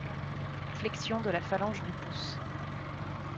Flexion de la phalange du pouce.